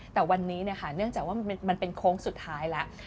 แต่วันนี้เนื่องจากว่ามันเป็นโค้งสุดท้ายแล้ว